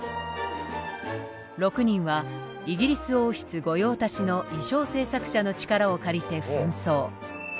６人はイギリス王室御用達の衣装制作者の力を借りてふん装。